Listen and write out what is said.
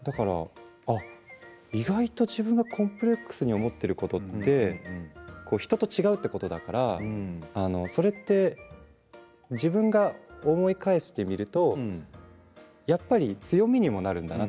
意外と自分がコンプレックスに思っていることって人と違うということだから自分が思い返してみるとやっぱり強みにもなるんだな。